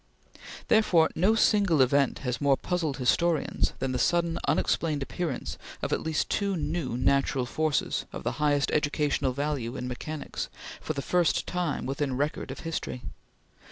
Therefore, no single event has more puzzled historians than the sudden, unexplained appearance of at least two new natural forces of the highest educational value in mechanics, for the first time within record of history.